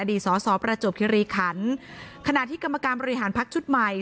สอสอประจวบคิริขันขณะที่กรรมการบริหารพักชุดใหม่